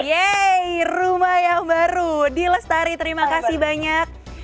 yeay rumah yang baru d lestari terima kasih banyak